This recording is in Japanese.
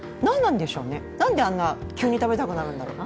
なんであんなに急に食べたくなるんでしょう。